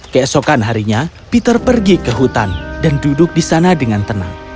keesokan harinya peter pergi ke hutan dan duduk di sana dengan tenang